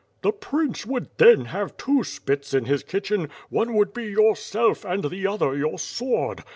"The Prince would then have two spits in his kitchen; one would be yourself, and the other your sword.